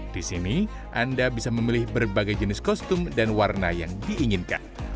di sini anda bisa memilih berbagai jenis kostum dan warna yang diinginkan